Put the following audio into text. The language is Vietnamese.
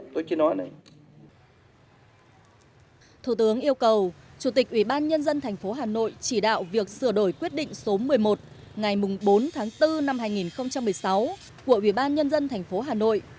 thủ tướng yêu cầu chủ tịch ubnd tp hà nội chỉ đạo việc sửa đổi quyết định số một mươi một ngày bốn tháng bốn năm hai nghìn một mươi sáu của ubnd tp hà nội